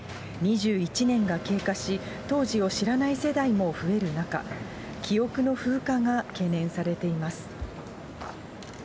２１年が経過し、当時を知らない世代も増える中、記憶の風化が懸念されています。